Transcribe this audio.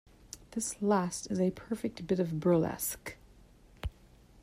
This last is a perfect bit of burlesque.